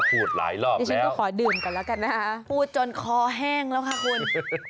พูดจนคอแห้งแล้วค่ะคุณ